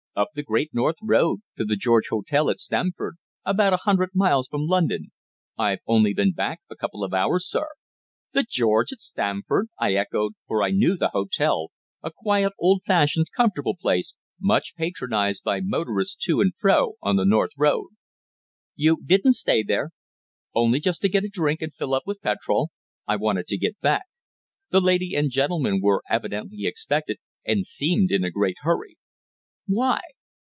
"Up the Great North Road to the George Hotel at Stamford, about a hundred miles from London. I've only been back about a couple of hours, sir." "The George at Stamford!" I echoed, for I knew the hotel, a quiet, old fashioned, comfortable place much patronized by motorists to and fro on the north road. "You didn't stay there?" "Only just to get a drink and fill up with petrol. I wanted to get back. The lady and gentleman were evidently expected, and seemed in a great hurry." "Why?"